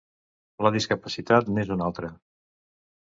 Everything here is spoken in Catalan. La discapacitat n'és un altre.